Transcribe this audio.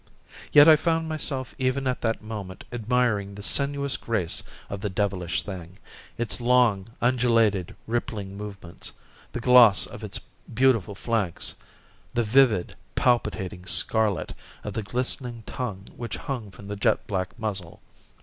Yet I found myself even at that moment admiring the sinuous grace of the devilish thing, its long, undulating, rippling movements, the gloss of its beautiful flanks, the vivid, palpitating scarlet of the glistening tongue which hung from the jet black muzzle.